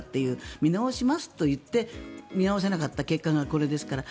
見直しますと言って見直せなかった結果がこれですから。